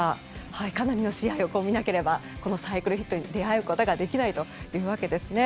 かなりの試合を見なければこのサイクルヒットに出会うことができないというわけですね。